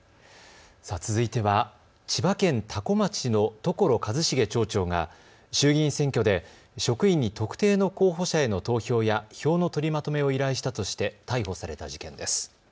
続いては千葉県多古町の所一重町長が衆議院選挙で職員に特定の候補者への投票や票の取りまとめを依頼したとして逮捕された事件です。